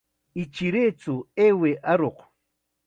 Ichiraytsu, ayway aruq.